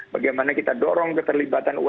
bagaimana kita dorong keterlibatan umkm lokal